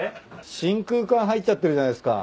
真空管入っちゃってるじゃないっすか。